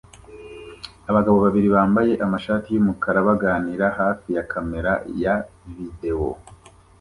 Abagabo babiri bambaye amashati yumukara baganira hafi ya kamera ya videwo